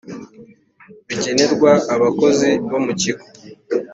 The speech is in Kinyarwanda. bigenerwa abakozi bo mu kigo